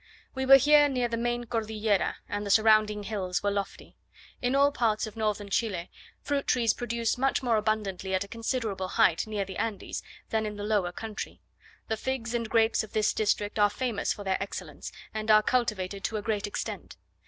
We were here near the main Cordillera, and the surrounding hills were lofty. In all parts of northern Chile, fruit trees produce much more abundantly at a considerable height near the Andes than in the lower country. The figs and grapes of this district are famous for their excellence, and are cultivated to a great extent.